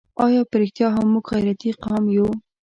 آیا په رښتیا هم موږ غیرتي قوم یو؟